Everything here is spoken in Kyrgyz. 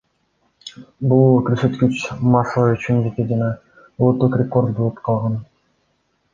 Бул көрсөткүч Маслова үчүн жеке жана улуттук рекорд болуп калган.